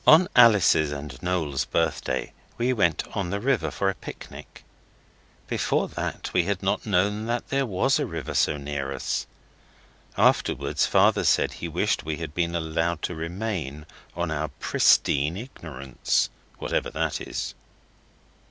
On Alice's and Noel's birthday we went on the river for a picnic. Before that we had not known that there was a river so near us. Afterwards father said he wished we had been allowed to remain on our pristine ignorance, whatever that is.